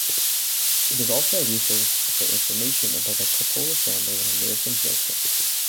It is also a resource for information about the Coppola family and American Zoetrope.